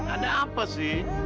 ada apa sih